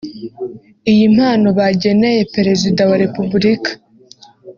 Iyi mpano bageneye Perezida wa Repubulika